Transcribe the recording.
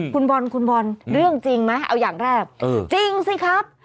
คุณบอลคุณบอลเรื่องจริงไหมเอาอย่างแรกจริงสิครับ